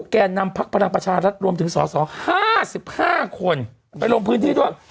แกนนำพักภัณฑ์ประชารัฐรวมถึงสอสอห้าสิบห้าคนไปลงพื้นที่ด้วย